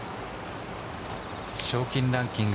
賞金ランキング